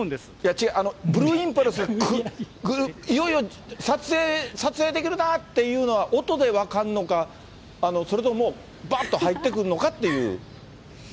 違う、ブルーインパルスが来る、いよいよ撮影できるなっていうのは、音で分かるのか、それとももう、ばっと入ってくるのかっていう。